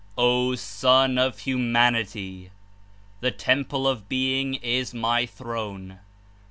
"O Son of Humanity! The temple of Being is my Throne.